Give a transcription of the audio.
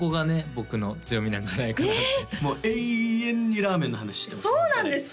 僕の強みなんじゃないかなってもう永遠にラーメンの話してますそうなんですか？